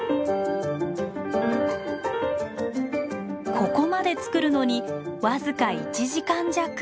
ここまで作るのに僅か１時間弱。